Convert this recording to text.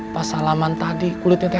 pas salaman tadi kulitnya tadi